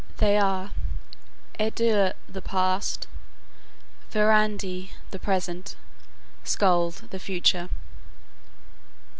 They are Urdur (the past), Verdandi (the present), Skuld (the future).